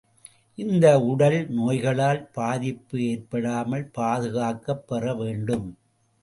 இந்த உடல் நோய்களால் பாதிப்பு ஏற்படாமல் பாதுகாக்கப் பெற வேண்டும்.